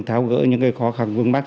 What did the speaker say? tháo gỡ những cái khó khăn vương mắt